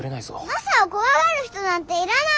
マサを怖がる人なんていらない！